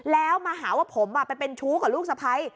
แล้วมาหาว่าผมไปเป็นชู้กับลูกสะพ้าย